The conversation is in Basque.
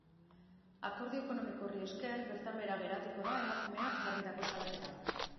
Akordio ekonomiko horri esker, bertan behera geratuko da emakumeak jarritako salaketa.